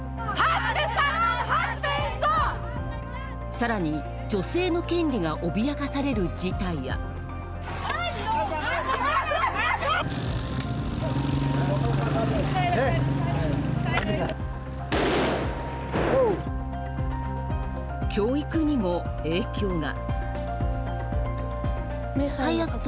さらに女性の権利が脅かされる事態や教育にも影響が。